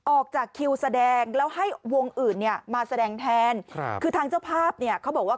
ออกจากซิ่งสดั่งแล้วให้วงอื่นมาแสดงแทนคือทางเจ้าภาพเขาบอกว่า